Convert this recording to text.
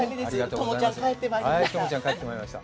知ちゃん帰ってまいりました。